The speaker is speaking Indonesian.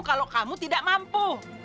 kalau kamu tidak mampu